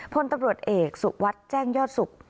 พลตำรวจเอกสุขวัตรแจ้งยอดสุข